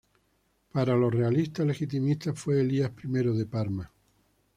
Para los realistas legitimistas fue Elías I de Parma.